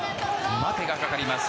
待てがかかりました。